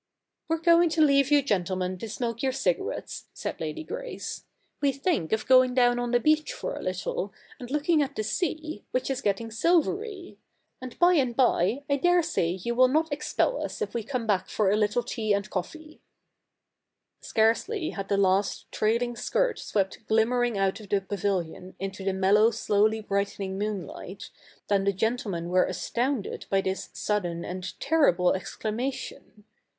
'We're going to leave you gentlemen to smoke your cigarettes,' said Lady Grace. ' We think of going down on the beach for a little, and looking at the sea, which is getting silvery ; and by and by, I dare say you will not expel us if we come back for a little tea and coffee.' ' Damn it \' CH. i] THE NEW REPUBLIC 203 Scarcely had the last trailing skirt swept glimmering out of the pavilion into the mellow slowly brightening moonlight, than the gentlemen were astounded by this sudden and terrible exclamation.